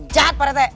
jahat pak rt